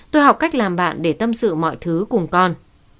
tôi học cách làm bạn để tâm sự mọi thứ cùng con